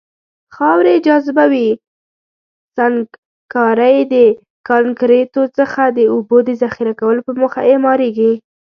خاورې، جاذبوي سنګکارۍ او کانکریتو څخه د اوبو د ذخیره کولو په موخه اعماريږي.